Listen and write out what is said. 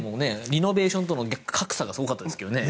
リノベーションとの格差がすごかったですけどね。